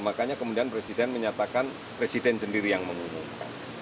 makanya kemudian presiden menyatakan presiden sendiri yang mengumumkan